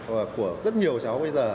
và của rất nhiều cháu bây giờ